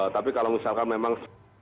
tapi kalau misalkan memang